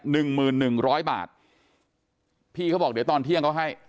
หนึ่งหมื่นหนึ่งร้อยบาทพี่เขาบอกเดี๋ยวตอนเที่ยงเขาให้